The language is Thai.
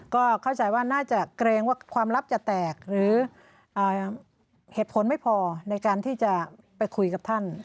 ก็เข้าใจว่าน่าจะเกรงว่าความลับจะแตกหรือเหตุผลไม่พอในการที่จะไปคุยกับท่าน